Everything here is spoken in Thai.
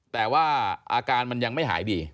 แต่ว่าอาการมันยังไม่หายดี